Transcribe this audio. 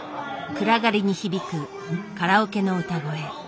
暗がりに響くカラオケの歌声。